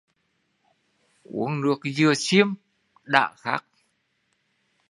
Uống nước dừa xiêm đã khát